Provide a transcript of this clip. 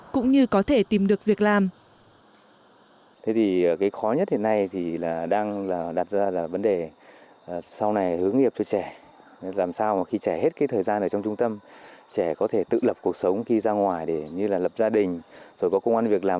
cũng như có thể tìm được việc làm